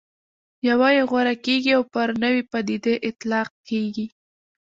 یوه یې غوره کېږي او پر نوې پدیدې اطلاق کېږي.